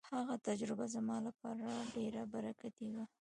هغه تجربه زما لپاره ډېره برکتي وه.